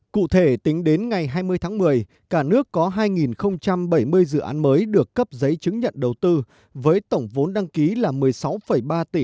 cụ thể tính đến ngày hai mươi tháng một mươi cả nước có hai bảy mươi dự án mới được cấp giấy chứng nhận đầu tư với tổng vốn đăng ký là một mươi sáu ba tỷ usd tăng ba mươi hai chín so với cùng kỳ năm hai nghìn một mươi sáu